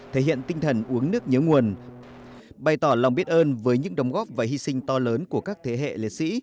thể hiện tinh thần uống nước nhớ nguồn bày tỏ lòng biết ơn với những đồng góp và hy sinh to lớn của các thế hệ liệt sĩ